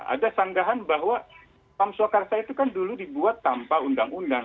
ada sanggahan bahwa pam swakarsa itu kan dulu dibuat tanpa undang undang